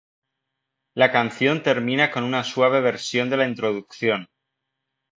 La canción termina con una suave versión de la introducción.